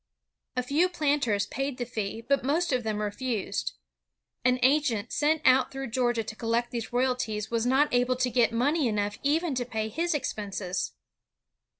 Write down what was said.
A few planters paid the fee, but most of them refused. An agent sent out through Georgia to collect these royalties was not able to get money enough even to pay his expenses.